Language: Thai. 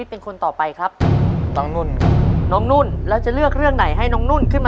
ตัวเลือกที่๒๒๔ครับ